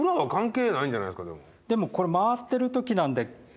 でもこれ回ってる時なんで。